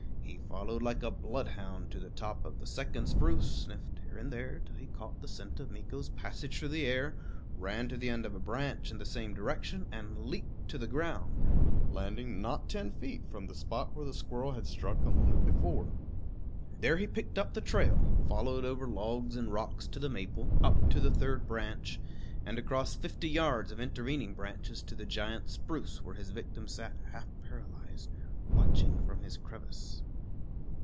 He followed like a bloodhound to the top of the second spruce, sniffed here and there till he caught the scent of Meeko's passage through the air, ran to the end of a branch in the same direction and leaped to the ground, landing not ten feet from the spot where the squirrel had struck a moment before. There he picked up the trail, followed over logs and rocks to the maple, up to the third branch, and across fifty yards of intervening branches to the giant spruce where his victim sat half paralyzed, watching from his crevice.